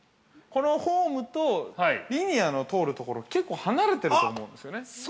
このホームとリニアの通るところ結構離れてると思うんですよね。